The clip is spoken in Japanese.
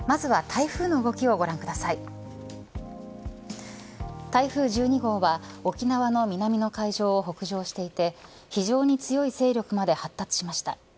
台風１２号は沖縄の南の海上を北上していて、非常に強い勢力まで発達しました。